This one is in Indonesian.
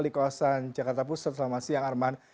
di kawasan jakarta pusat selama siang arman